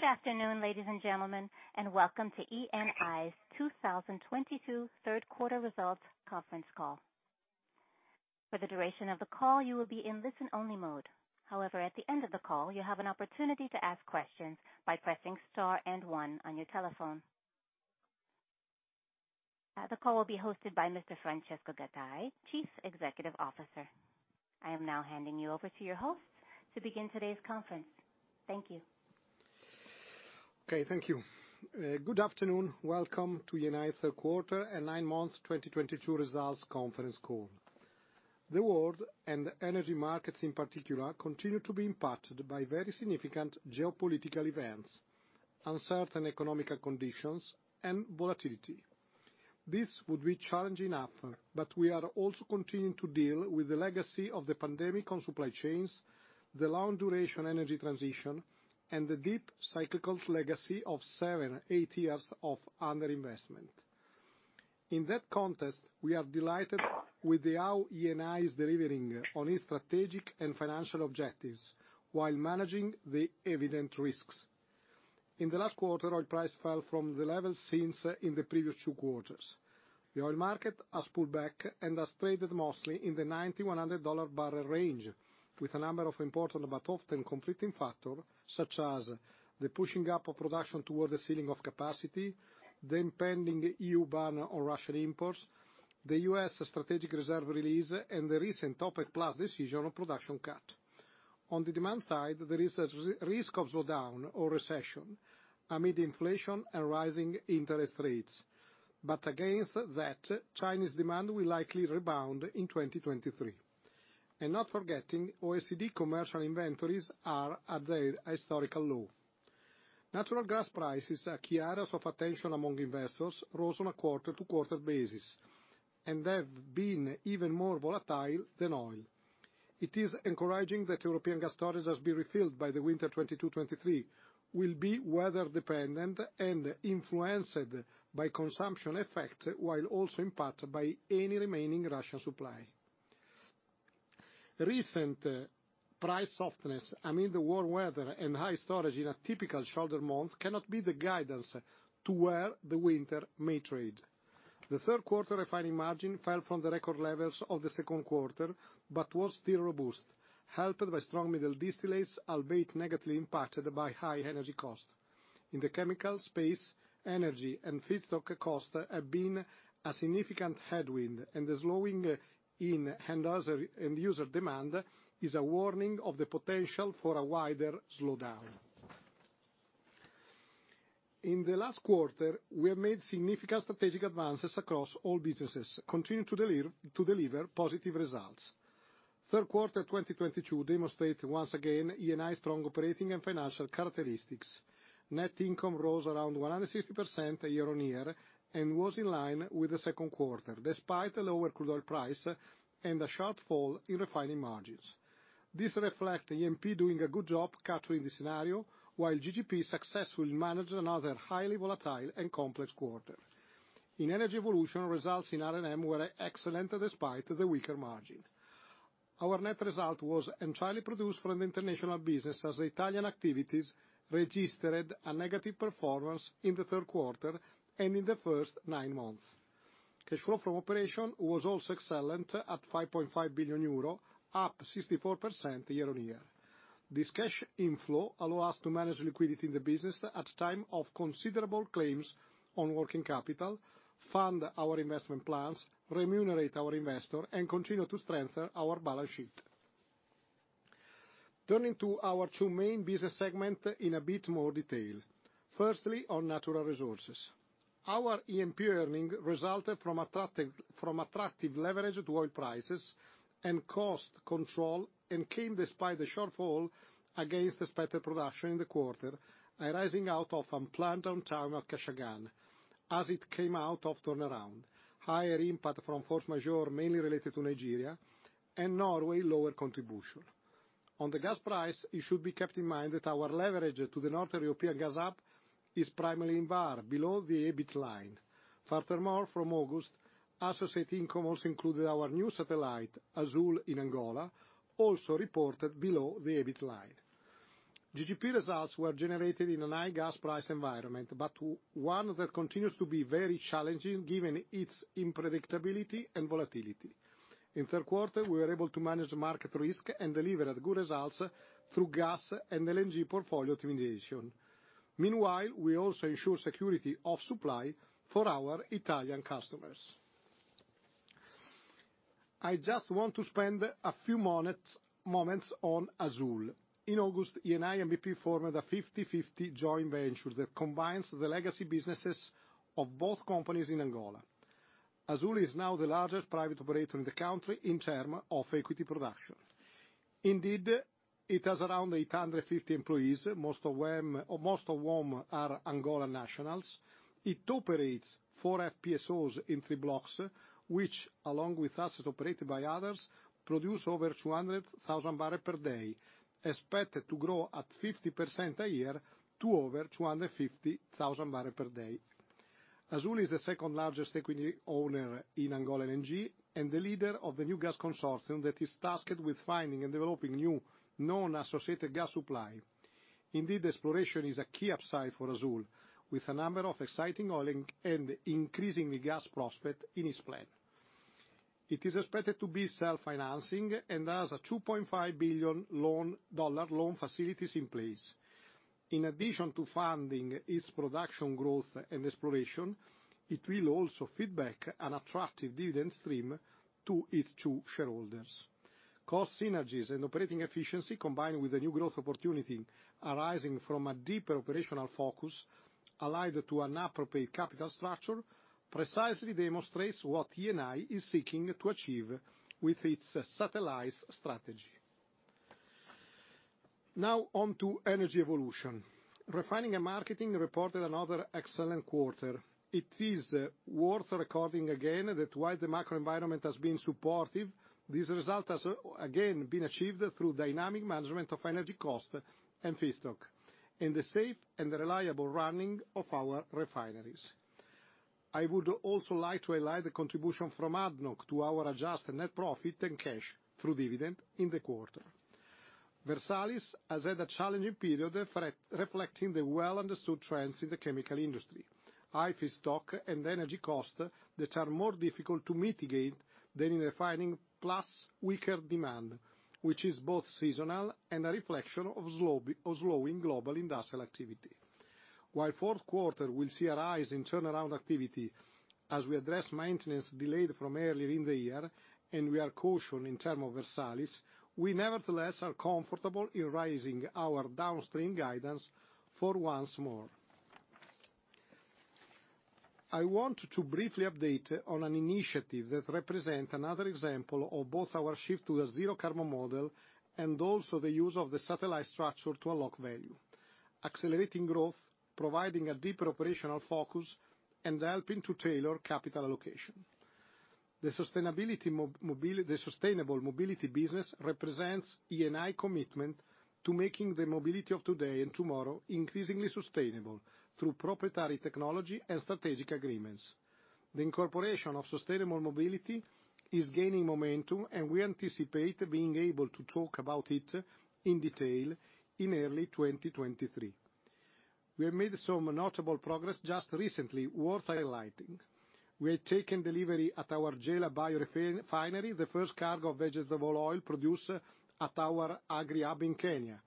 Good afternoon, ladies and gentlemen, and welcome to Eni's 2022 third quarter results conference call. For the duration of the call, you will be in listen-only mode. However, at the end of the call, you have an opportunity to ask questions by pressing star and one on your telephone. The call will be hosted by Mr. Francesco Gattei, Chief Financial Officer. I am now handing you over to your host to begin today's conference. Thank you. Okay, thank you. Good afternoon. Welcome to Eni third quarter and nine months 2022 results conference call. The world, and energy markets in particular, continue to be impacted by very significant geopolitical events, uncertain economic conditions, and volatility. This would be challenging enough, but we are also continuing to deal with the legacy of the pandemic on supply chains, the long duration energy transition, and the deep cyclical legacy of seven, eight years of underinvestment. In that context, we are delighted with how Eni is delivering on its strategic and financial objectives while managing the evident risks. In the last quarter, oil price fell from the levels seen in the previous two quarters. The oil market has pulled back and has traded mostly in the $90-$100/bbl range, with a number of important but often conflicting factors, such as the pushing up of production toward the ceiling of capacity, the impending EU ban on Russian imports, the U.S. strategic reserve release, and the recent OPEC+ decision on production cut. On the demand side, there is a risk of slowdown or recession amid inflation and rising interest rates. Against that, Chinese demand will likely rebound in 2023. Not forgetting, OECD commercial inventories are at their historical low. Natural gas prices, a key area of attention among investors, rose on a quarter-over-quarter basis and have been even more volatile than oil. It is encouraging that European gas storage has been refilled by the winter 2022-2023. Will be weather dependent and influenced by consumption effect, while also impacted by any remaining Russian supply. Recent price softness amid the warm weather and high storage in a typical shorter month cannot be the guidance to where the winter may trade. The third quarter refining margin fell from the record levels of the second quarter, but was still robust, helped by strong middle distillates, albeit negatively impacted by high energy cost. In the chemical space, energy and feedstock cost have been a significant headwind, and the slowing in end user demand is a warning of the potential for a wider slowdown. In the last quarter, we have made significant strategic advances across all businesses, continuing to deliver positive results. Third quarter 2022 demonstrates once again Eni's strong operating and financial characteristics. Net income rose around 160% year-on-year and was in line with the second quarter, despite a lower crude oil price and a sharp fall in refining margins. This reflects E&P doing a good job in the scenario, while GGP successfully managed another highly volatile and complex quarter. In energy evolution, results in R&M were excellent despite the weaker margin. Our net result was entirely produced from the international business as Italian activities registered a negative performance in the third quarter and in the first nine months. Cash flow from operations was also excellent at 5.5 billion euro, up 64% year-on-year. This cash inflow allow us to manage liquidity in the business at a time of considerable claims on working capital, fund our investment plans, remunerate our investor, and continue to strengthen our balance sheet. Turning to our two main business segment in a bit more detail. Firstly, on natural resources. Our E&P earning resulted from attractive leverage to oil prices and cost control, and came despite the shortfall against expected production in the quarter, arising out of unplanned downtime at Kashagan as it came out of turnaround. Higher impact from force majeure, mainly related to Nigeria. In Norway, lower contribution. On the gas price, it should be kept in mind that our leverage to the North European gas hub is primarily in kind, below the EBIT line. Furthermore, from August, associate income also included our new asset, Azule in Angola, also reported below the EBIT line. GGP results were generated in a high gas price environment, but one that continues to be very challenging given its unpredictability and volatility. In third quarter, we were able to manage market risk and delivered good results through gas and LNG portfolio optimization. Meanwhile, we also ensure security of supply for our Italian customers. I just want to spend a few moments on Azule. In August, Eni and BP formed a 50/50 joint venture that combines the legacy businesses of both companies in Angola. Azule is now the largest private operator in the country in terms of equity production. Indeed, it has around 850 employees, most of whom are Angolan nationals. It operates four FPSOs in three blocks, which along with assets operated by others, produce over 200,000 bbl per day, expected to grow at 50% a year to over 250,000 bbl per day. Azule Energy is the second largest equity owner in Angola LNG, and the leader of the new gas consortium that is tasked with finding and developing new non-associated gas supply. Indeed, exploration is a key upside for Azule Energy, with a number of exciting oil and increasingly gas prospects in its plan. It is expected to be self-financing, and has a $2.5 billion loan, dollar loan facilities in place. In addition to funding its production growth and exploration, it will also feed back an attractive dividend stream to its two shareholders. Cost synergies and operating efficiency, combined with the new growth opportunity arising from a deeper operational focus, allied to an appropriate capital structure, precisely demonstrates what Eni is seeking to achieve with its satellite strategy. Now on to Energy Evolution. Refining and Marketing reported another excellent quarter. It is worth recording again that while the macro environment has been supportive, this result has, again, been achieved through dynamic management of energy cost and feedstock, and the safe and reliable running of our refineries. I would also like to highlight the contribution from ADNOC to our adjusted net profit and cash through dividend in the quarter. Versalis has had a challenging period reflecting the well understood trends in the chemical industry. High feedstock and energy costs that are more difficult to mitigate than in refining, plus weaker demand, which is both seasonal and a reflection of slowing global industrial activity. While fourth quarter will see a rise in turnaround activity as we address maintenance delayed from earlier in the year, and we are cautious in terms of Versalis, we nevertheless are comfortable in raising our downstream guidance for once more. I want to briefly update on an initiative that represent another example of both our shift to a zero carbon model, and also the use of the satellite structure to unlock value, accelerating growth, providing a deeper operational focus, and helping to tailor capital allocation. The sustainable mobility business represents Eni commitment to making the mobility of today and tomorrow increasingly sustainable through proprietary technology and strategic agreements. The incorporation of sustainable mobility is gaining momentum, and we anticipate being able to talk about it in detail in early 2023. We have made some notable progress just recently worth highlighting. We have taken delivery at our Gela biorefinery, the first cargo of vegetable oil produced at our agri-hub in Kenya.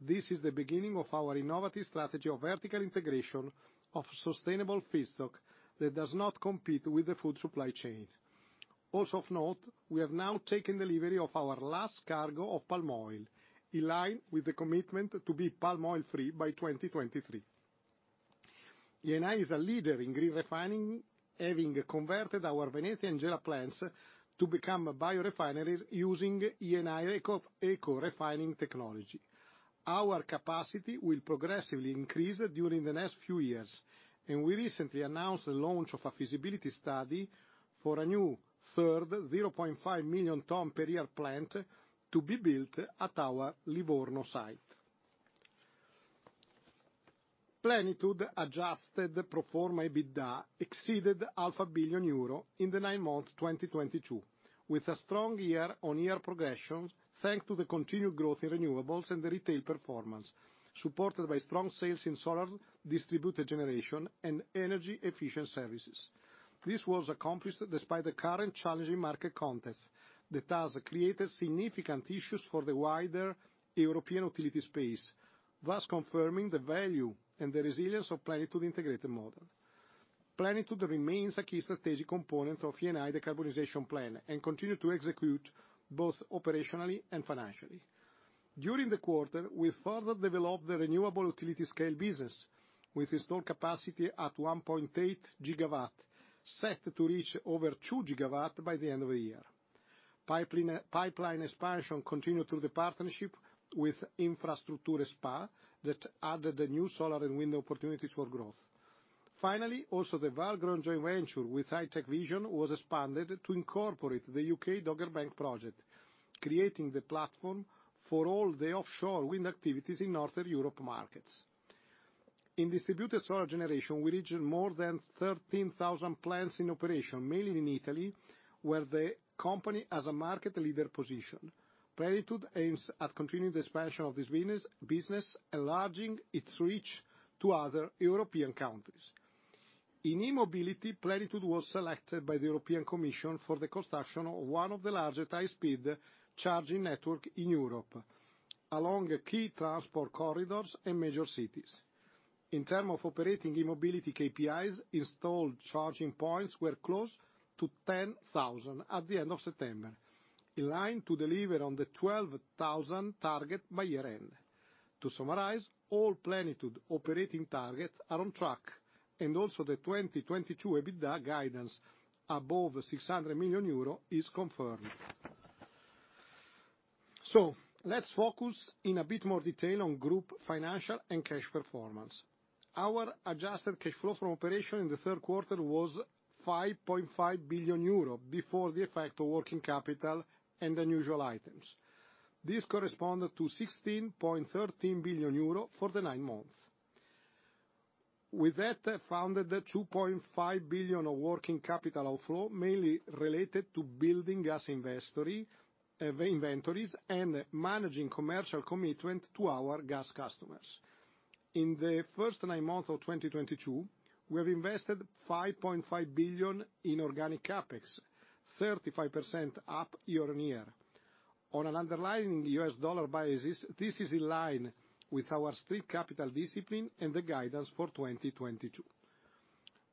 This is the beginning of our innovative strategy of vertical integration of sustainable feedstock that does not compete with the food supply chain. Also of note, we have now taken delivery of our last cargo of palm oil, in line with the commitment to be palm oil free by 2023. Eni is a leader in green refining, having converted our Venezia and Gela plants to become a biorefinery using Eni eco-refining technology. Our capacity will progressively increase during the next few years, and we recently announced the launch of a feasibility study for a new third 0.5 million ton per year plant to be built at our Livorno site. Plenitude adjusted pro forma EBITDA exceeded 500 million euro in the nine months 2022, with a strong year-on-year progression, thanks to the continued growth in renewables and the retail performance, supported by strong sales in solar distributed generation and energy efficient services. This was accomplished despite the current challenging market context that has created significant issues for the wider European utility space, thus confirming the value and the resilience of Plenitude integrated model. Plenitude remains a key strategic component of Eni decarbonization plan, and continue to execute both operationally and financially. During the quarter, we further developed the renewable utility scale business with installed capacity at 1.8 GW, set to reach over 2 GW by the end of the year. Pipeline expansion continued through the partnership with Infrastrutture S.p.A. that added the new solar and wind opportunities for growth. Finally, the Vårgrønn joint venture with HitecVision was expanded to incorporate the U.K. Dogger Bank project, creating the platform for all the offshore wind activities in Northern Europe markets. In distributed solar generation, we reached more than 13,000 plants in operation, mainly in Italy, where the company has a market leader position. Plenitude aims at continuing the expansion of this business, enlarging its reach to other European countries. In e-mobility, Plenitude was selected by the European Commission for the construction of one of the largest high-speed charging network in Europe, along key transport corridors and major cities. In terms of operating e-mobility KPIs, installed charging points were close to 10,000 at the end of September, in line to deliver on the 12,000 target by year-end. To summarize, all Plenitude operating targets are on track, and also the 2022 EBITDA guidance above 600 million euro is confirmed. Let's focus in a bit more detail on group financial and cash performance. Our adjusted cash flow from operation in the third quarter was 5.5 billion euro, before the effect of working capital and unusual items. This corresponds to 16.13 billion euro for the nine months. With that, they funded the 2.5 billion of working capital outflow, mainly related to building gas inventories and managing commercial commitment to our gas customers. In the first nine months of 2022, we have invested 5.5 billion in organic CapEx, 35% up year-on-year. On an underlying US dollar basis, this is in line with our strict capital discipline and the guidance for 2022.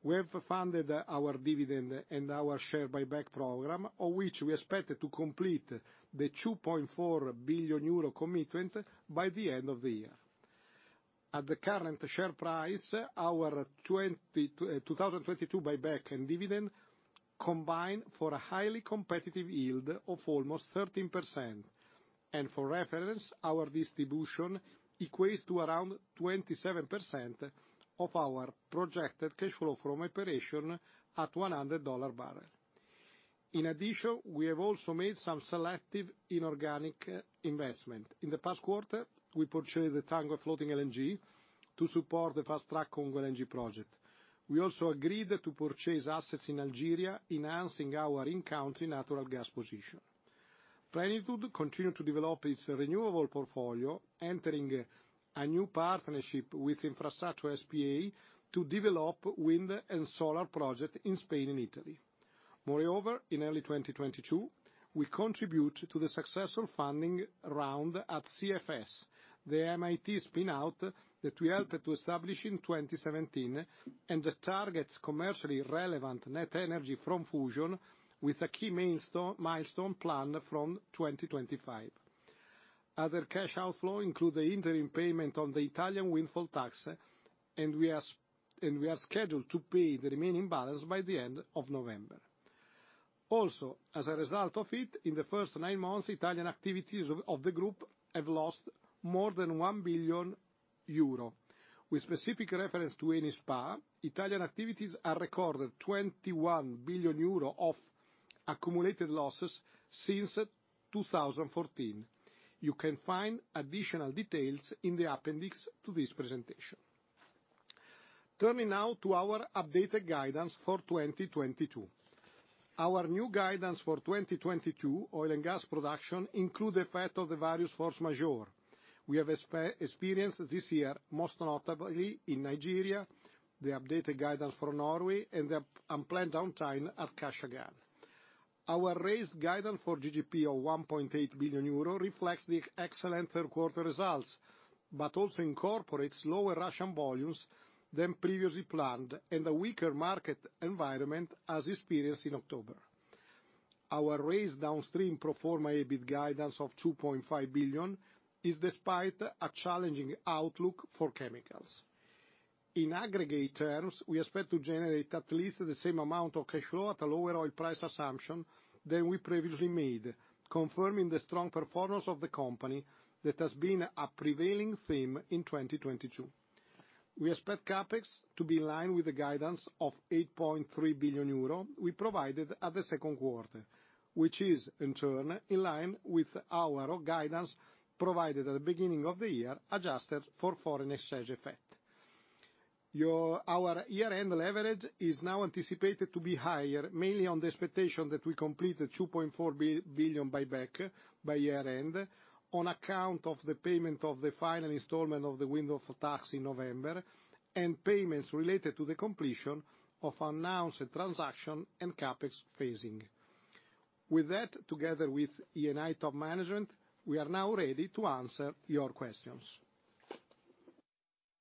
We have funded our dividend and our share buyback program, of which we expect to complete the 2.4 billion euro commitment by the end of the year. At the current share price, our 2022 buyback and dividend combine for a highly competitive yield of almost 13%. For reference, our distribution equates to around 27% of our projected cash flow from operation at $100 bbl. In addition, we have also made some selective inorganic investment. In the past quarter, we purchased the Tango FLNG to support the fast track Congo LNG project. We also agreed to purchase assets in Algeria, enhancing our in-country natural gas position. Plenitude continue to develop its renewable portfolio, entering a new partnership with Infrastrutture S.p.A. to develop wind and solar project in Spain and Italy. Moreover, in early 2022, we contribute to the successful funding round at CFS, the MIT spin-out that we helped to establish in 2017 and that targets commercially relevant net energy from fusion with a key milestone plan from 2025. Other cash outflow include the interim payment on the Italian windfall tax, and we are scheduled to pay the remaining balance by the end of November. As a result of it, in the first nine months, Italian activities of the group have lost more than 1 billion euro. With specific reference to Eni S.p.A., Italian activities are recorded 21 billion euro of accumulated losses since 2014. You can find additional details in the appendix to this presentation. Turning now to our updated guidance for 2022. Our new guidance for 2022 oil and gas production include the effect of the various force majeure. We have experienced this year, most notably in Nigeria, the updated guidance for Norway and the unplanned downtime at Kashagan. Our raised guidance for GGP of 1.8 billion euro reflects the excellent third quarter results, but also incorporates lower Russian volumes than previously planned and a weaker market environment as experienced in October. Our raised downstream pro forma EBITDA guidance of 2.5 billion is despite a challenging outlook for chemicals. In aggregate terms, we expect to generate at least the same amount of cash flow at a lower oil price assumption than we previously made, confirming the strong performance of the company that has been a prevailing theme in 2022. We expect CapEx to be in line with the guidance of 8.3 billion euro we provided at the second quarter, which is in turn in line with our guidance provided at the beginning of the year, adjusted for foreign exchange effect. Our year-end leverage is now anticipated to be higher, mainly on the expectation that we complete the 2.4 billion buyback by year-end on account of the payment of the final installment of the windfall tax in November and payments related to the completion of announced transaction and CapEx phasing. With that, together with Eni top management, we are now ready to answer your questions.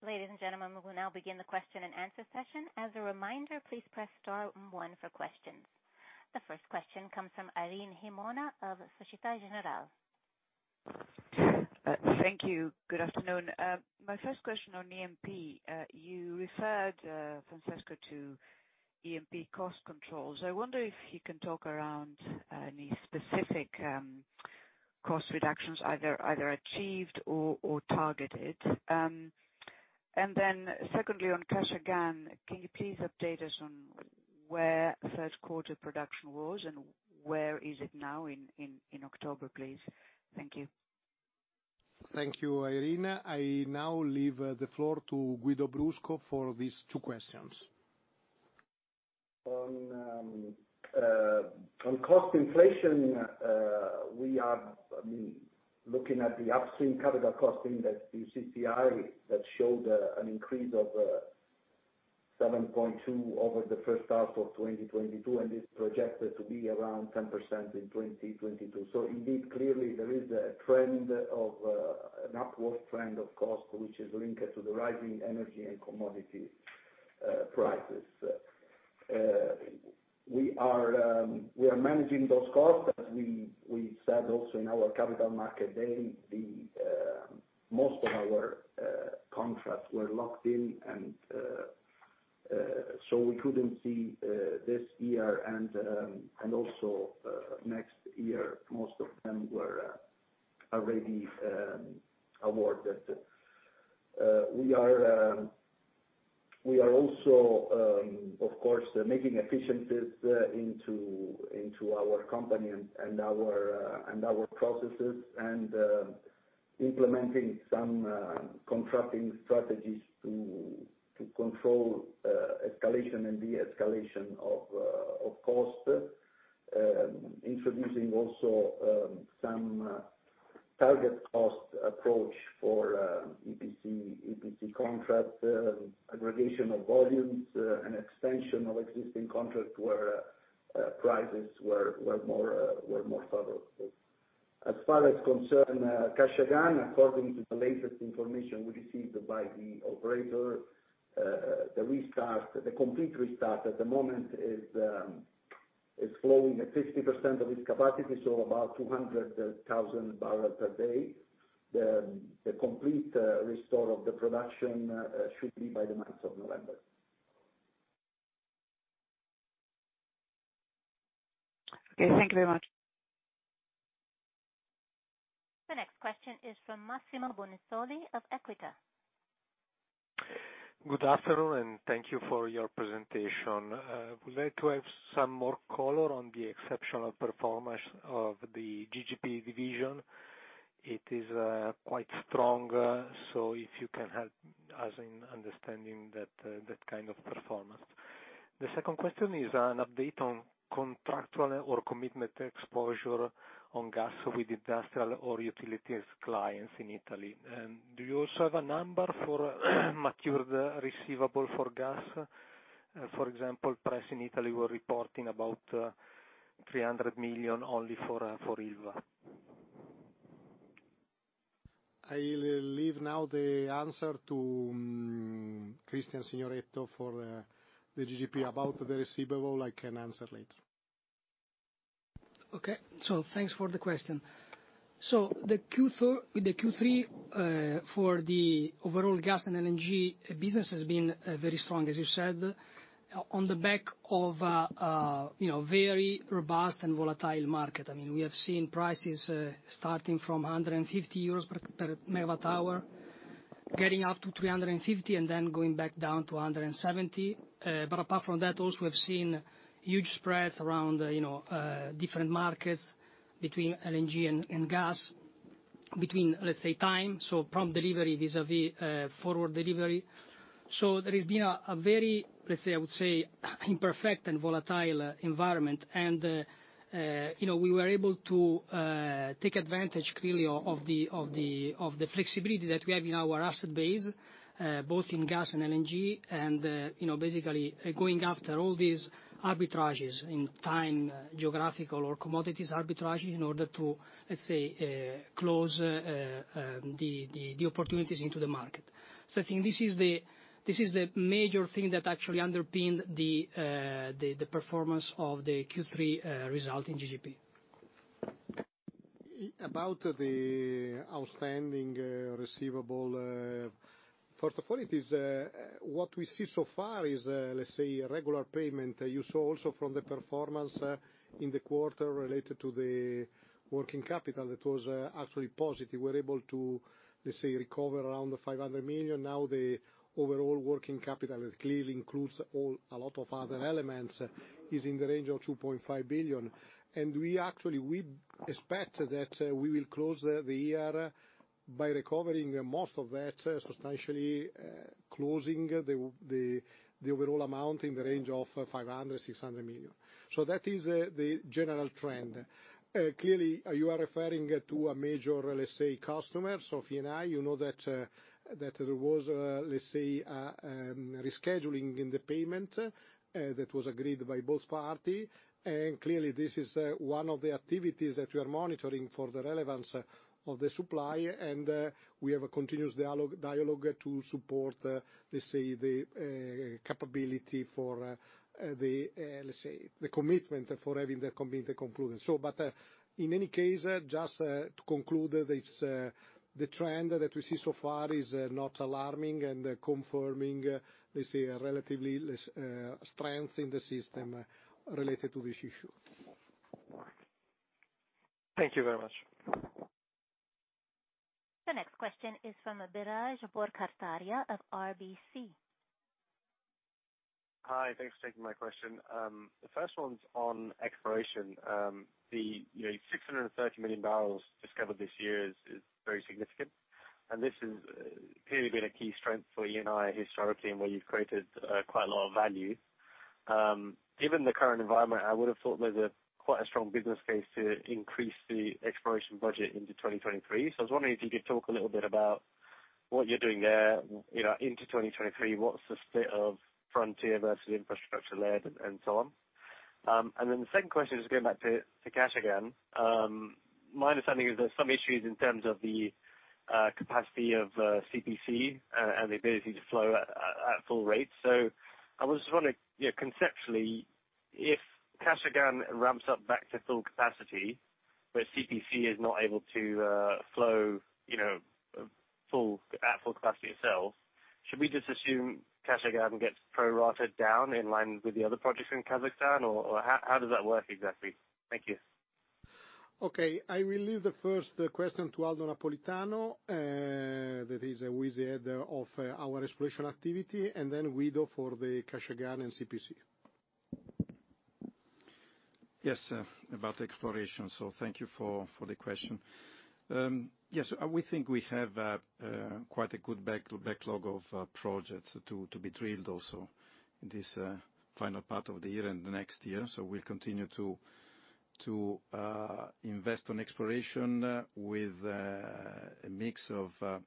Ladies and gentlemen, we will now begin the question and answer session. As a reminder, please press star one for questions. The first question comes from Irene Himona of Société Générale. Thank you. Good afternoon. My first question on E&P. You referred, Francesco, to E&P cost controls. I wonder if you can talk around any specific cost reductions either achieved or targeted. Secondly, on Kashagan, can you please update us on where third quarter production was and where is it now in October, please? Thank you. Thank you, Irene. I now leave the floor to Guido Brusco for these two questions. On cost inflation, we are, I mean, looking at the upstream capital cost index, the CCI, that showed an increase of 7.2 over the first half of 2022, and it's projected to be around 10% in 2022. Indeed, clearly there is a trend of an upward trend of cost which is linked to the rising energy and commodity prices. We are managing those costs, as we said also in our Capital Markets Day, the most of our contracts were locked in and so we couldn't see this year and also next year, most of them were already awarded. We are also, of course, making efficiencies into our company and our processes, and implementing some contracting strategies to control escalation and de-escalation of costs. Introducing also some target cost approach for EPC contracts, aggregation of volumes, and extension of existing contracts where prices were more favorable. As far as concerns Kashagan, according to the latest information we received by the operator, the complete restart at the moment is flowing at 50% of its capacity, so about 200,000 bbl per day. The complete restoration of the production should be by the month of November. Okay. Thank you very much. The next question is from Massimo Bonisoli of Equita. Good afternoon, and thank you for your presentation. Would like to have some more color on the exceptional performance of the GGP division. It is quite strong, so if you can help us in understanding that kind of performance. The second question is an update on contractual or commitment exposure on gas with industrial or utilities clients in Italy. Do you also have a number for matured receivable for gas? For example, price in Italy, we're reporting about 300 million only for Ilva. I'll leave now the answer to Cristian Signoretto for the GGP. About the receivable, I can answer later. Okay. Thanks for the question. The Q3 for the overall gas and LNG business has been very strong, as you said, on the back of you know, very robust and volatile market. I mean, we have seen prices starting from 150 euros MWh, getting up to 350, and then going back down to 170. But apart from that, also we have seen huge spreads around, you know, different markets between LNG and gas, between, let's say, time, so prompt delivery vis-à-vis forward delivery. There has been a very, let's say, I would say, imperfect and volatile environment. You know, we were able to take advantage clearly of the flexibility that we have in our asset base both in gas and LNG and you know, basically going after all these arbitrages in time, geographical or commodities arbitrage in order to, let's say, the opportunities into the market. I think this is the major thing that actually underpinned the performance of the Q3 result in GGP. About the outstanding receivable, first of all, it is what we see so far is, let's say, regular payment. You saw also from the performance in the quarter related to the working capital that was actually positive. We're able to, let's say, recover around 500 million. Now, the overall working capital, it clearly includes all, a lot of other elements, is in the range of 2.5 billion. We actually, we expect that we will close the year by recovering most of that, substantially, closing the overall amount in the range of 500 million-600 million. That is the general trend. Clearly, you are referring to it to a major, let's say, customer, so of Eni. You know that there was, let's say, rescheduling in the payment that was agreed by both parties. Clearly, this is one of the activities that we are monitoring for the relevance of the supply. We have a continuous dialogue to support, let's say, the capability for the commitment for having the commitment concluded. In any case, just to conclude this, the trend that we see so far is not alarming and confirming, let's say, a relative strength in the system related to this issue. Thank you very much. The next question is from Biraj Borkhataria of RBC. Hi, thanks for taking my question. The first one's on exploration. You know, 630 million bbl discovered this year is very significant, and this has clearly been a key strength for Eni historically, and where you've created quite a lot of value. Given the current environment, I would have thought there's quite a strong business case to increase the exploration budget into 2023. I was wondering if you could talk a little bit about what you're doing there, you know, into 2023, what's the state of frontier versus infrastructure led and so on. Then the second question, just going back to Kashagan. My understanding is there's some issues in terms of the capacity of CPC, and the ability to flow at full rate. I was just wondering you know conceptually if Kashagan ramps up back to full capacity, but CPC is not able to flow you know full at full capacity itself should we just assume Kashagan gets prorated down in line with the other projects in Kazakhstan? Or how does that work exactly? Thank you. Okay. I will leave the first question to Aldo Napolitano, that is with the head of our exploration activity, and then Guido for the Kashagan and CPC. Yes, sir. About exploration thank you for the question. Yes, we think we have quite a good backlog of projects to be drilled also in this final part of the year and the next year. We'll continue to invest on exploration with a mix of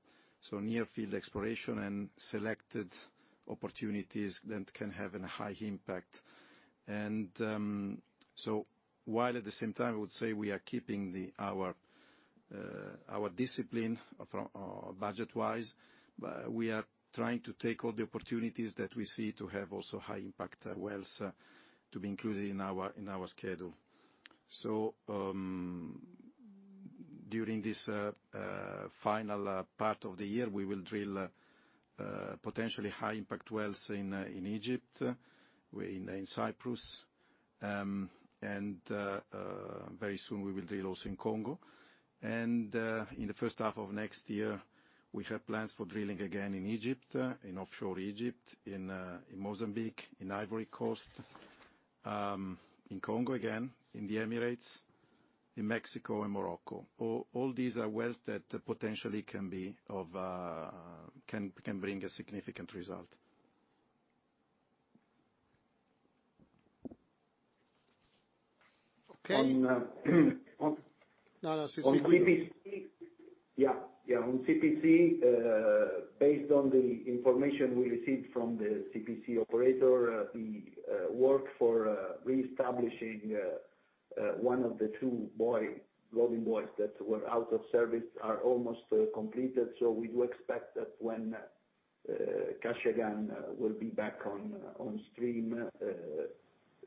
near field exploration and selected opportunities that can have a high impact. While at the same time, I would say we are keeping our discipline budget-wise, but we are trying to take all the opportunities that we see to have also high impact wells to be included in our schedule. During this final part of the year, we will drill potentially high impact wells in Egypt, in Cyprus, and very soon we will drill also in Congo. In the first half of next year, we have plans for drilling again in Egypt, in offshore Egypt, in Mozambique, in Ivory Coast, in Congo again, in the Emirates, in Mexico and Morocco. All these are wells that potentially can bring a significant result. Okay. On, uh, on- No, no. On CPC. Yeah. On CPC, based on the information we received from the CPC operator, the work for reestablishing one of the two mooring buoys that were out of service are almost completed. We do expect that when Kashagan will be back on stream,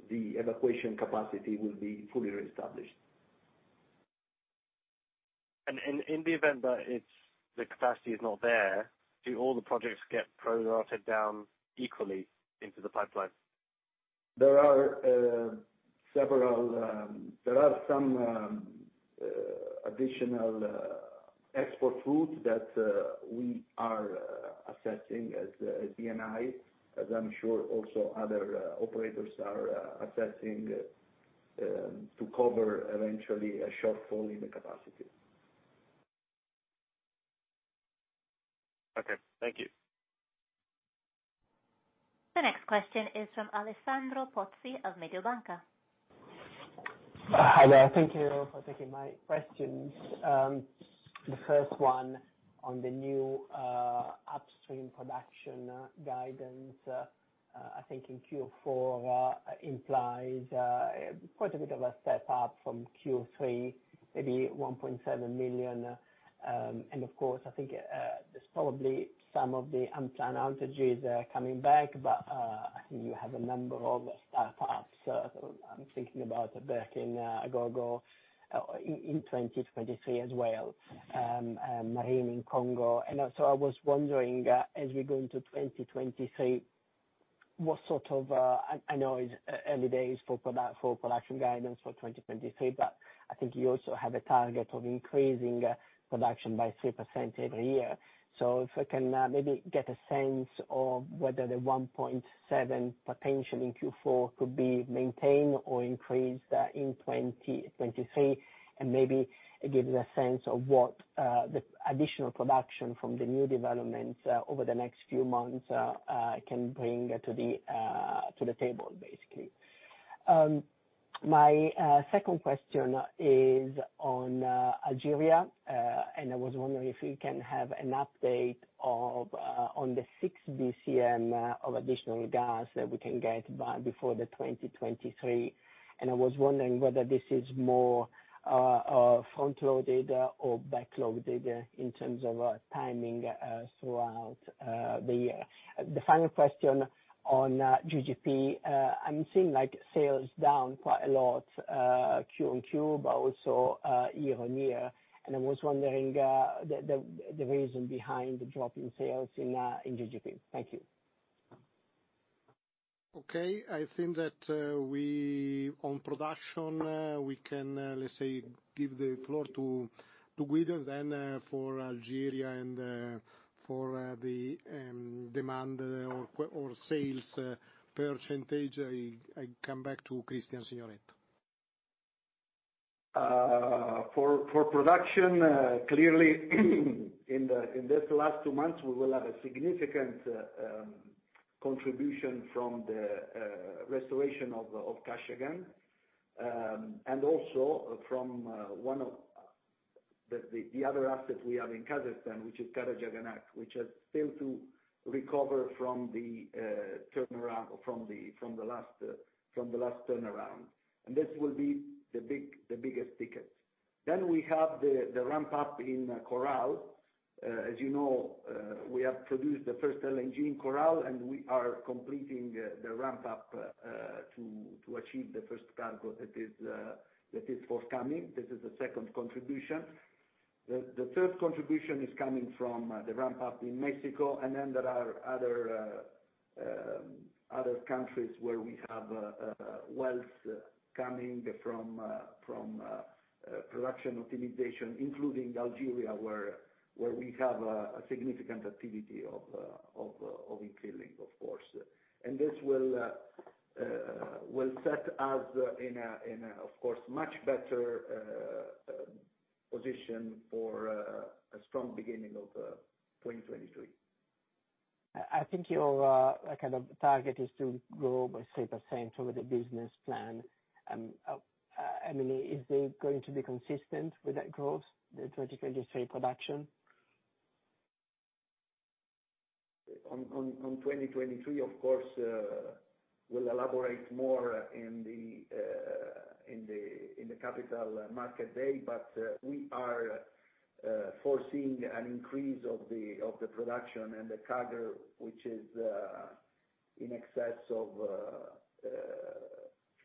the evacuation capacity will be fully reestablished. In the event that it's the capacity is not there, do all the projects get prorated down equally into the pipeline? There are some additional export routes that we are assessing as Eni, as I'm sure also other operators are assessing to cover eventually a shortfall in the capacity. Okay. Thank you. The next question is from Alessandro Pozzi of Mediobanca. Hi there. Thank you for taking my questions. The first one on the new upstream production guidance I think in Q4 implies quite a bit of a step up from Q3, maybe 1.7 million. Of course, I think there's probably some of the unplanned outages coming back, but I think you have a number of startups. I'm thinking about back in Agogo in 2023 as well, Marine XII in Congo. I was also wondering as we go into 2023, what sort of I know it's early days for production guidance for 2023, but I think you also have a target of increasing production by 3% every year. If I can maybe get a sense of whether the 1.7 potential in Q4 could be maintained or increased in 2023, and maybe give us a sense of what the additional production from the new developments over the next few months can bring to the table, basically. My second question is on Algeria, and I was wondering if you can have an update on the 6 BCM of additional gas that we can get by before 2023. I was wondering whether this is more front-loaded or backloaded in terms of timing throughout the year. The final question on GGP, I'm seeing like sales down quite a lot Q-on-Q, but also year-on-year. I was wondering, the reason behind the drop in sales in GGP? Thank you. Okay. I think that we can, let's say, give the floor to Guido then for Algeria and for the demand or sales percentage. I come back to Cristian Signoretto. For production, clearly in this last two months we will have a significant contribution from the restoration of Kashagan. Also from one of the other assets we have in Kazakhstan, which is Karachaganak, which has failed to recover from the turnaround or from the last turnaround. This will be the biggest ticket. We have the ramp up in Coral. As you know we have produced the first LNG in Coral, and we are completing the ramp up to achieve the first cargo that is forthcoming. This is the second contribution. The third contribution is coming from the ramp up in Mexico, and then there are other countries where we have wells coming from production optimization, including Algeria, where we have a significant activity of increasing, of course. This will set us in a much better position for a strong beginning of 2023. I think your kind of target is to grow by 3% over the business plan. Emily, is it going to be consistent with that growth, the 2023 production? In 2023 of course we'll elaborate more in the Capital Markets Day, but we are foreseeing an increase of the production and the CAGR which is in excess of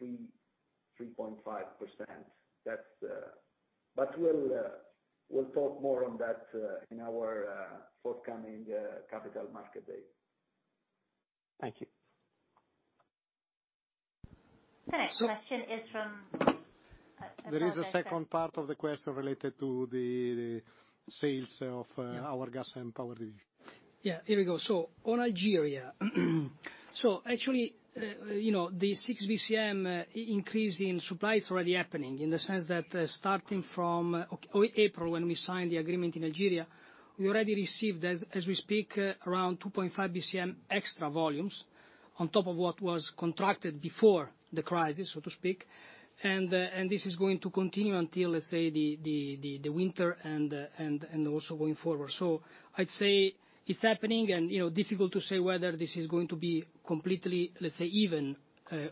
3.5%. That's. We'll talk more on that in our forthcoming Capital Markets Day. Thank you. The next question is from, There is a second part of the question related to the sales of our gas and power division. Yeah, here we go. On Algeria, actually, you know, the 6 BCM increase in supply is already happening, in the sense that, starting from April, when we signed the agreement in Algeria, we already received, as we speak, around 2.5 BCM extra volumes on top of what was contracted before the crisis, so to speak. This is going to continue until, let's say, the winter and also going forward. I'd say it's happening and, you know, difficult to say whether this is going to be completely, let's say, even,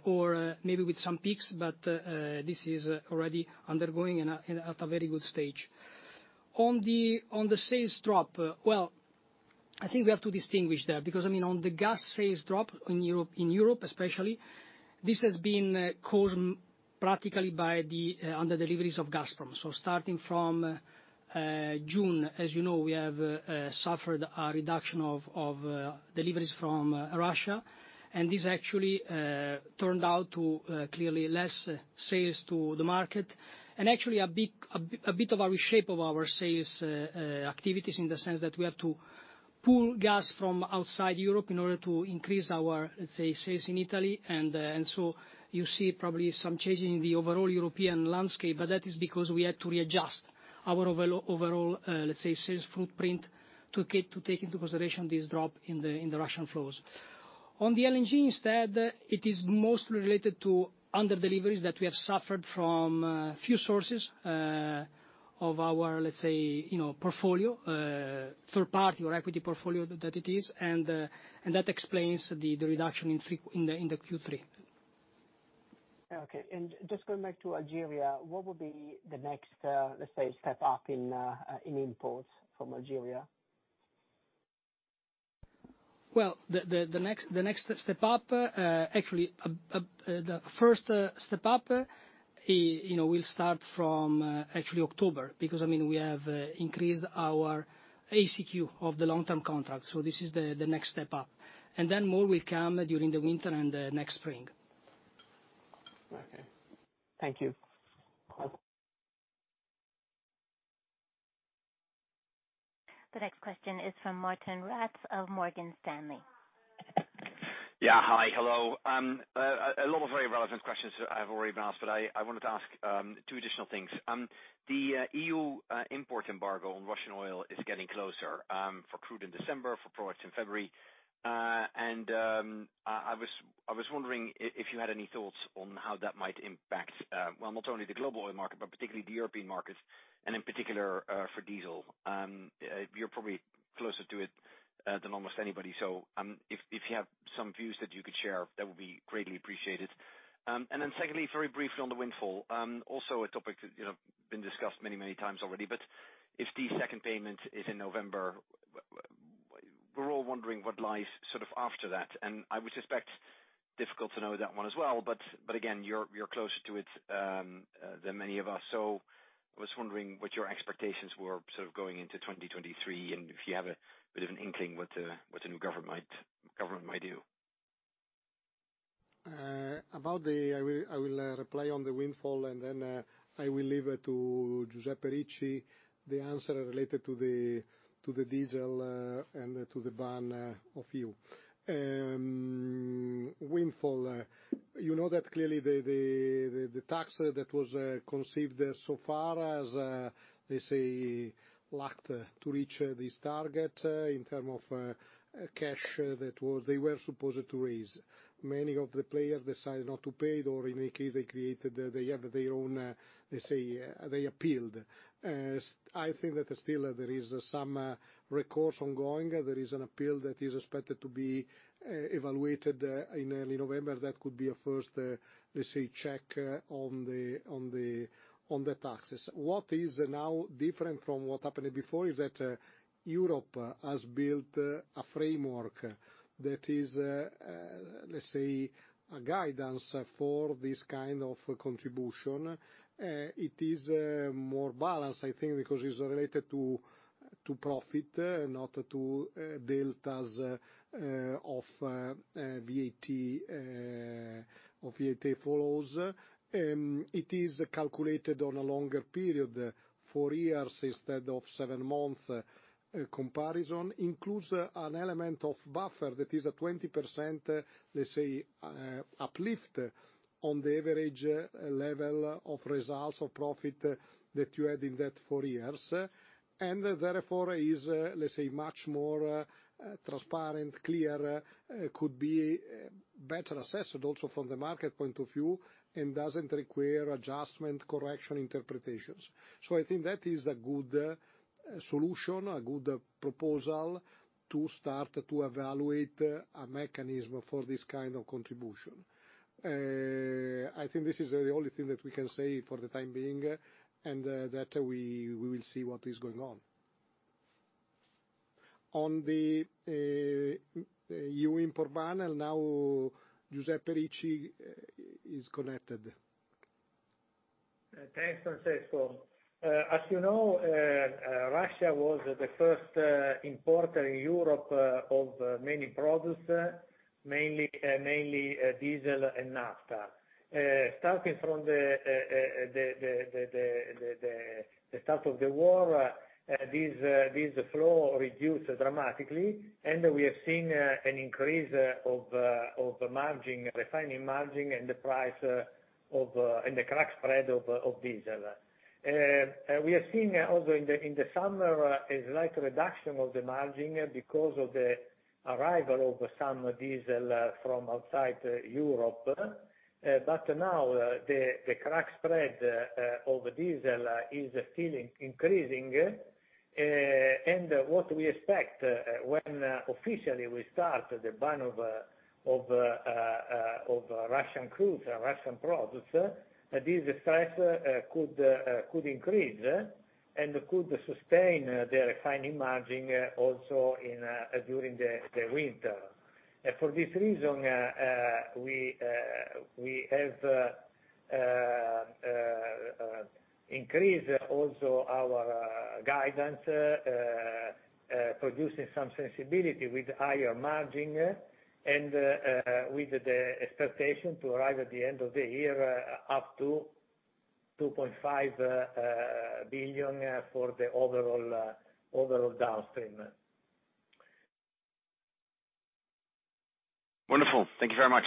or maybe with some peaks, but this is already undergoing in a very good stage. On the sales drop, well, I think we have to distinguish that because, I mean, on the gas sales drop in Europe especially, this has been caused practically by the under deliveries of Gazprom. Starting from June, as you know, we have suffered a reduction of deliveries from Russia, and this actually turned out to clearly less sales to the market and actually a bit of a reshape of our sales activities in the sense that we have to pull gas from outside Europe in order to increase our, let's say, sales in Italy. You see probably some change in the overall European landscape, but that is because we had to readjust our overall, let's say, sales footprint to take into consideration this drop in the Russian flows. On the LNG instead, it is mostly related to under deliveries that we have suffered from a few sources of our, let's say you know portfolio third party or equity portfolio that it is. That explains the reduction in the Q3. Okay. Just going back to Algeria, what would be the next, let's say, step up in imports from Algeria? Well the next step up actually the first step up you know will start from actually October because, I mean we have increased our ACQ of the long-term contract. This is the next step up. Then more will come during the winter and next spring. Okay. Thank you. The next question is from Martijn Rats of Morgan Stanley. Hi. Hello. A lot of very relevant questions have already been asked, but I wanted to ask two additional things. The EU import embargo on Russian oil is getting closer for crude in December for products in February. I was wondering if you had any thoughts on how that might impact well not only the global oil market, but particularly the European markets and in particular, for diesel. You're probably closer to it than almost anybody, so if you have some views that you could share, that would be greatly appreciated. secondly, very briefly on the windfall, also a topic that, you know, been discussed many, many times already but if the second payment is in November, we're all wondering what lies sort of after that. I would suspect difficult to know that one as well but again you're closer to it than many of us. I was wondering what your expectations were sort of going into 2023, and if you have a bit of an inkling what the new government might do. I will reply on the windfall, and then I will leave it to Giuseppe Ricci the answer related to the diesel and to the ban of the EU. Windfall, you know that clearly the tax that was conceived so far has, let's say, lacked to reach this target in terms of cash they were supposed to raise. Many of the players decided not to pay it or in any case they appealed. I think that there is still some recourse ongoing. There is an appeal that is expected to be evaluated in early November. That could be a first, let's say check on the taxes. What is now different from what happened before is that Europe has built a framework that is, let's say, a guidance for this kind of contribution. It is more balanced, I think, because it's related to profit, not to deltas of VAT flows. It is calculated on a longer period, four years instead of seven month comparison. Includes an element of buffer that is a 20%, let's say, uplift on the average level of results of profit that you had in that four years. Therefore is, let's say, much more transparent, clear, could be better assessed also from the market point of view and doesn't require adjustment correction interpretations. I think that is a good solution, a good proposal to start to evaluate a mechanism for this kind of contribution. I think this is the only thing that we can say for the time being, and that we will see what is going on. On the EU import ban, now Giuseppe Ricci is connected. Thanks, Francesco. As you know, Russia was the first importer in Europe of many products, mainly diesel and naphtha. Starting from the start of the war, this flow reduced dramatically, and we have seen an increase of refining margin and the price of and the crack spread of diesel. We have seen also in the summer a slight reduction of the margin because of the arrival of some diesel from outside Europe. But now the crack spread of diesel is still increasing. What we expect when officially we start the ban of Russian crude and Russian products, this price could increase and could sustain the refining margin also during the winter. For this reason, we have increased also our guidance, providing some sensitivity with higher margin and with the expectation to arrive at the end of the year up to 2.5 billion for the overall downstream. Wonderful. Thank you very much.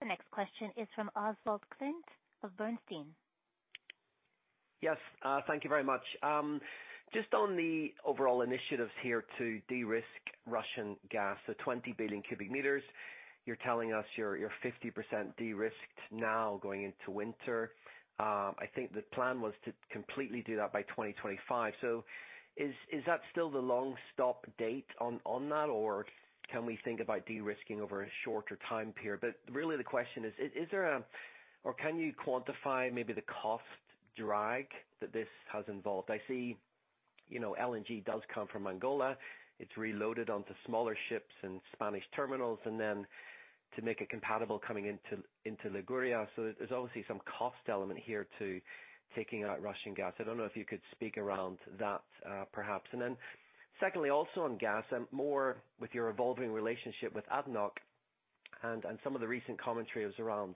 The next question is from Oswald Clint of Bernstein. Yes, thank you very much. Just on the overall initiatives here to de-risk Russian gas, the 20 billion cu meters, you're telling us you're 50% de-risked now going into winter. I think the plan was to completely do that by 2025. Is that still the long stop date on that? Or can we think about de-risking over a shorter time period? Really the question is there a or can you quantify maybe the cost drag that this has involved? I see, you know, LNG does come from Angola. It's reloaded onto smaller ships and Spanish terminals and then to make it compatible coming into Liguria. There's obviously some cost element here to taking out Russian gas. I don't know if you could speak around that, perhaps. Secondly, also on gas and more with your evolving relationship with ADNOC and some of the recent commentaries around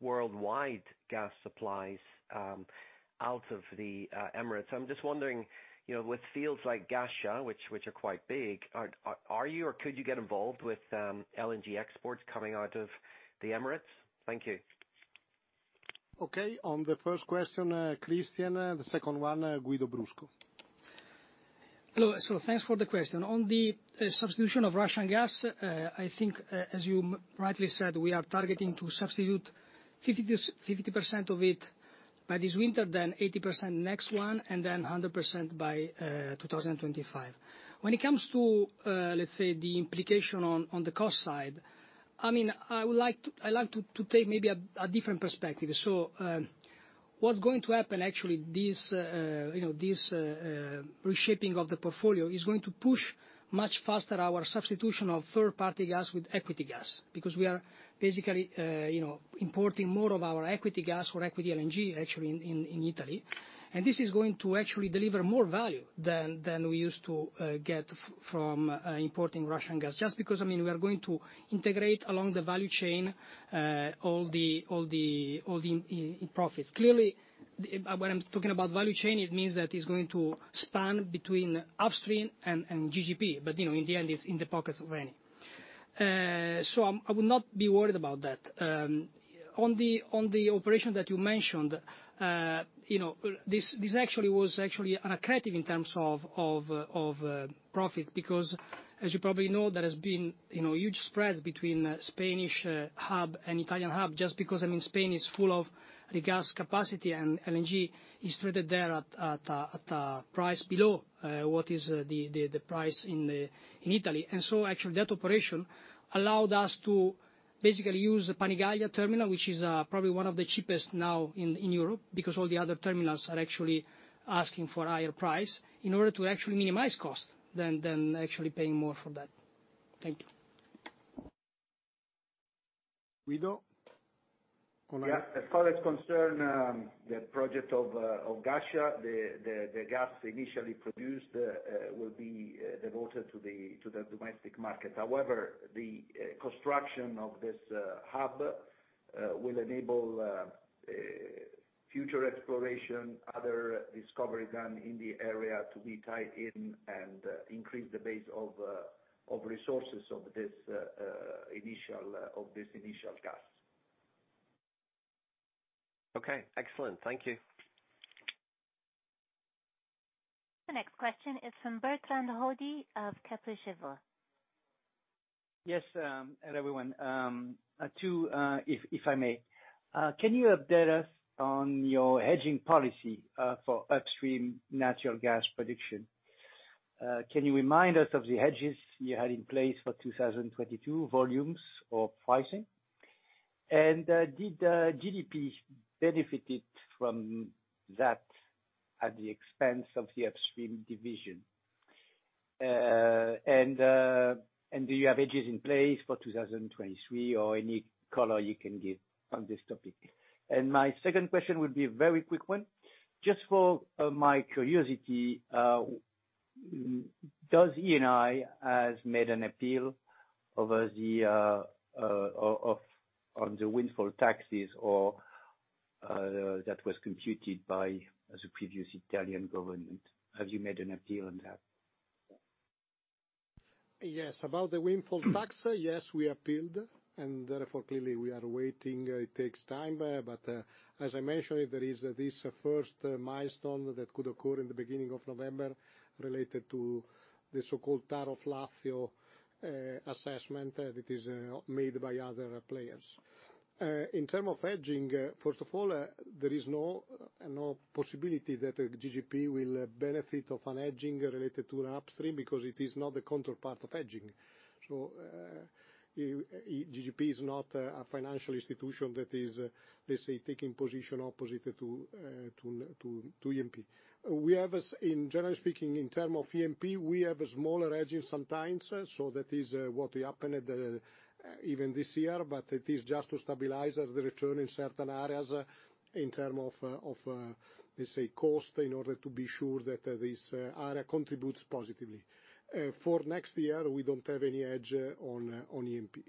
worldwide gas supplies out of the Emirates. I'm just wondering, you know, with fields like Ghasha, which are quite big, are you or could you get involved with LNG exports coming out of the Emirates? Thank you. Okay. On the first question, Cristian, the second one, Guido Brusco. Hello Thanks for the question. On the substitution of Russian gas, I think, as you rightly said, we are targeting to substitute 50% of it by this winter, then 80% next one, and then 100% by 2025. When it comes to let's say the implication on the cost side I mean I would like to take maybe a different perspective. What's going to happen actually this reshaping of the portfolio is going to push much faster our substitution of third-party gas with equity gas because we are basically you know importing more of our equity gas or equity LNG actually in Italy. This is going to actually deliver more value than we used to get from importing Russian gas. Just because, I mean, we are going to integrate along the value chain all the profits. Clearly, when I'm talking about value chain it means that it's going to span between upstream and GGP, but you kno w, in the end, it's in the pockets of Eni. I would not be worried about that. On the operation that you mentioned, you know, this actually was actually an accretive in terms of profits, because as you probably know, there has been, you know, huge spreads between Spanish hub and Italian hub, just because, I mean, Spain is full of regas capacity and LNG is traded there at a price below what is the price in Italy. Actually that operation allowed us to basically use Panigaglia terminal, which is probably one of the cheapest now in Europe, because all the other terminals are actually asking for higher price in order to actually minimize cost than actually paying more for that. Thank you. Guido? Yeah. As far as concerns the project of Gasha, the gas initially produced will be devoted to the domestic market. However, the construction of this hub will enable future exploration, other discovery done in the area to be tied in and increase the base of resources of this initial gas. Okay. Excellent. Thank you. The next question is from Bertrand Hodee of Kepler Cheuvreux. Yes, and everyone. Too if I may. Can you update us on your hedging policy for upstream natural gas production? Can you remind us of the hedges you had in place for 2022 volumes or pricing? Did GGP benefited from that at the expense of the upstream division? Do you have hedges in place for 2023 or any color you can give on this topic? My second question would be a very quick one. Just for my curiosity, does Eni has made an appeal over the windfall taxes or that was imposed by the previous Italian government? Have you made an appeal on that? Yes. About the windfall tax yes, we appealed, and therefore clearly we are waiting. It takes time, but as I mentioned, there is this first milestone that could occur in the beginning of November related to the so-called TAR Lazio assessment that is made by other players. In terms of hedging, first of all, there is no possibility that a GGP will benefit from a hedging related to an upstream because it is not the counterpart of hedging. So, GGP is not a financial institution that is, let's say, taking position opposite to E&P. In generally speaking in terms of E&P we have a smaller hedging sometimes. That is what happened even this year, but it is just to stabilize the return in certain areas in terms of, let's say, cost, in order to be sure that this area contributes positively. For next year we don't have any hedge on E&P.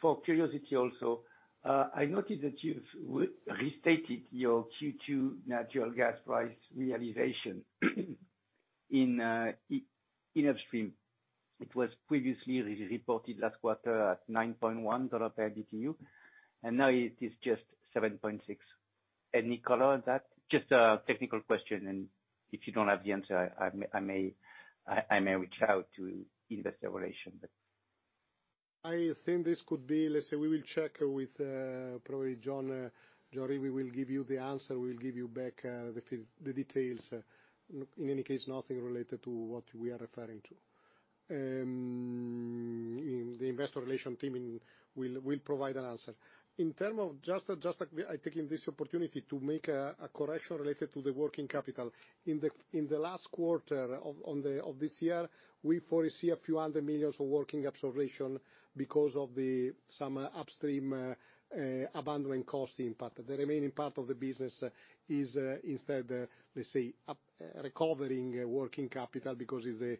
For curiosity also, I noticed that you've restated your Q2 natural gas price realization in upstream. It was previously reported last quarter at $9.1 per MMBtu, and now it is just $7.6. Any color on that? Just a technical question, and if you don't have the answer, I may reach out to investor relations. I think this could be. Let's say we will check with probably John Jory, we will give you the answer. We'll give you back the details. In any case, nothing related to what we are referring to. The investor relations team will provide an answer. In terms of just taking this opportunity to make a correction related to the working capital. In the last quarter of this year, we foresee a few other millions of working capital absorption because of some upstream abandonment cost impact. The remaining part of the business is instead, let's say, recovering working capital because it's a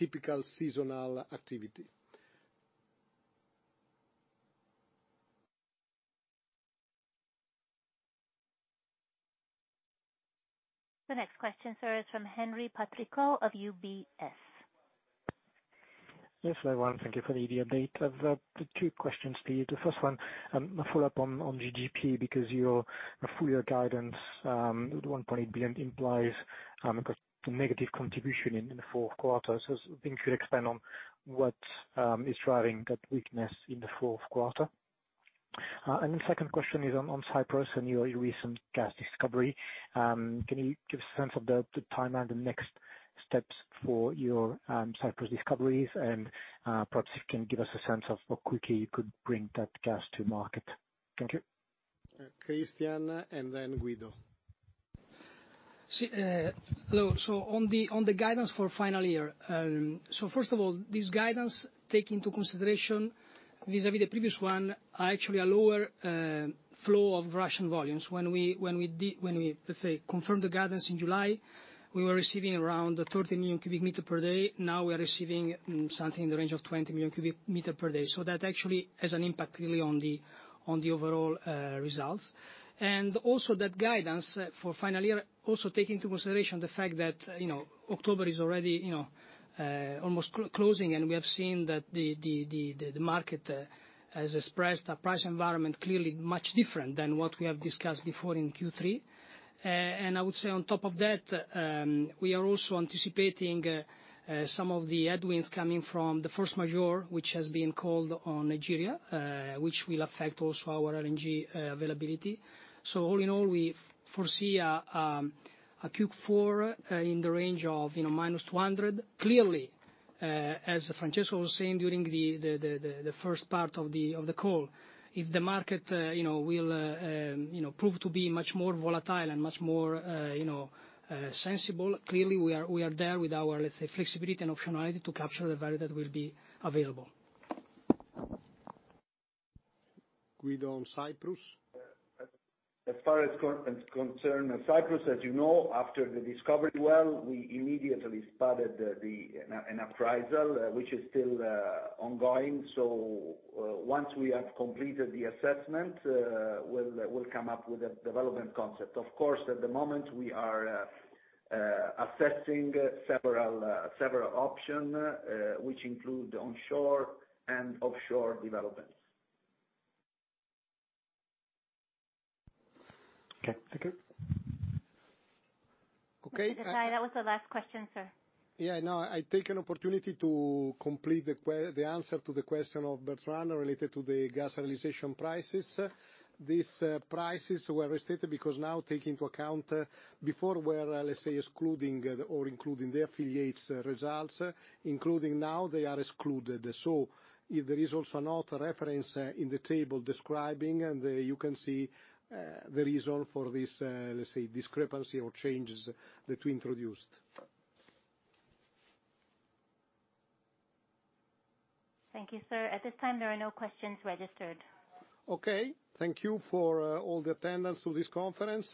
typical seasonal activity. The next question, sir, is from Henri Patricot of UBS. Yes, everyone. Thank you for the update. I've two questions for you. The first one, a follow-up on GGP, because your full-year guidance, 1.8 billion implies, a negative contribution in the fourth quarter. Maybe if you could expand on what is driving that weakness in the fourth quarter. The second question is on Cyprus and your recent gas discovery. Can you give a sense of the timeline, the next steps for your Cyprus discoveries? Perhaps if you can give us a sense of how quickly you could bring that gas to market. Thank you. Cristian and then Guido. On the guidance for full year. First of all, this guidance takes into consideration vis-à-vis the previous one, actually a lower flow of Russian volumes. When we did, let's say, confirmed the guidance in July, we were receiving around 30 million cu meters per day. Now we are receiving something in the range of 20 million cu meters per day. So that actually has an impact clearly on the overall results. That guidance for full year also takes into consideration the fact that, you know, October is already, you know, almost closing, and we have seen that the market has expressed a price environment clearly much different than what we have discussed before in Q3. I would say on top of that, we are also anticipating some of the headwinds coming from the force majeure, which has been called on Nigeria, which will affect also our LNG availability. All in all, we foresee a Q4 in the range of, you know, -200 million. Clearly, as Francesco was saying during the first part of the call, if the market you know will you know prove to be much more volatile and much more you know sensitive, clearly we are there with our, let's say, flexibility and optionality to capture the value that will be available. Guido on Cyprus. As far as concerns Cyprus, as you know, after the discovery well, we immediately spotted an appraisal, which is still ongoing. Once we have completed the assessment, we'll come up with a development concept. Of course, at the moment we are assessing several options, which include onshore and offshore developments. Okay. Thank you. Okay. Mr. Gattei, that was the last question, sir. Yeah, no, I take an opportunity to complete the answer to the question of Bertrand related to the gas realization prices. These prices were restated because now take into account before were, let's say, excluding or including the affiliates results. Including now they are excluded. There is also another reference in the table describing, and you can see the reason for this let's say discrepancy or changes that we introduced. Thank you, sir. At this time there are no questions registered. Okay. Thank you for all the attendance to this conference.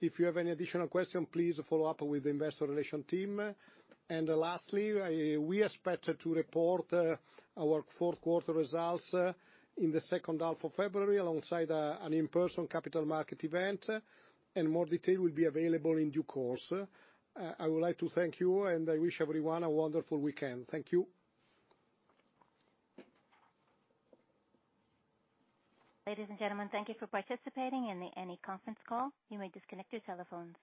If you have any additional question, please follow up with the investor relation team. Lastly we expect to report our fourth quarter results in the second half of February alongside an in-person capital market event, and more detail will be available in due course. I would like to thank you, and I wish everyone a wonderful weekend. Thank you. Ladies and gentlemen, thank you for participating in the Eni conference call. You may disconnect your telephones.